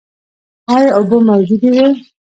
ایا اوبه موجودې وې؟